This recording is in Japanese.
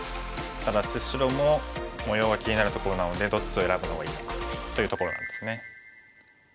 ただし白も模様が気になるところなのでどっちを選ぶのがいいのかというところなんですね。